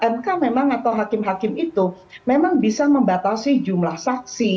mk memang atau hakim hakim itu memang bisa membatasi jumlah saksi